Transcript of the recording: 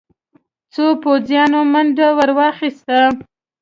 څو پوځيانو منډه ور واخيسته.